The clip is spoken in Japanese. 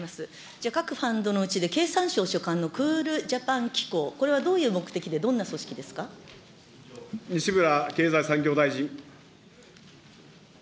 じゃ、各ファンドのうち経産省所管のクールジャパン機構、これはどうい西村経済産業大臣。